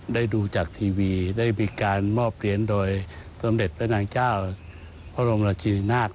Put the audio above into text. ได้ดูจากทีวีได้มีการมอบเหรียญโดยสมเด็จพระนางเจ้าพระบรมราชินีนาฏ